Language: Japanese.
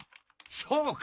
そうか！